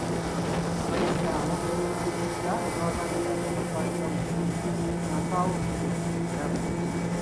Abayisiraamu beemulugunyiza olw'abannaabwe abatwalibwa mu nkomyo nga mpaawo bujulizi bumala.